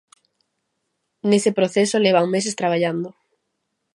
Nese proceso levan meses traballando.